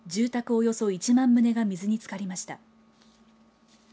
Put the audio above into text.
およそ１万棟が水につかりました。